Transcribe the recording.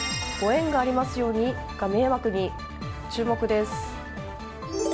ご縁がありますようにが迷惑に。